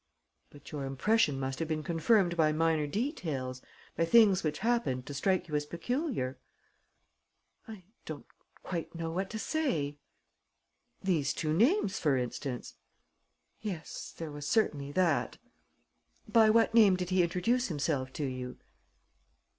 "But your impression must have been confirmed by minor details, by things which happened to strike you as peculiar?" "I don't quite know what to say." "These two names, for instance?" "Yes, there was certainly that." "By what name did he introduce himself to you?"